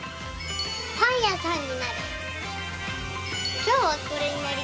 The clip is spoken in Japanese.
パン屋さんになる！